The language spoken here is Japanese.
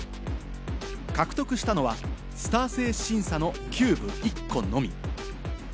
獲得したのはスター性審査のキューブ１個のみ。